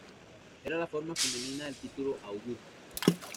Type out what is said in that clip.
Era la forma femenina del título Augusto.